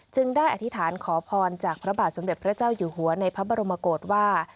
ได้อธิษฐานขอพรจากพระบาทสมเด็จพระเจ้าอยู่หัวในพระบรมกฏว่า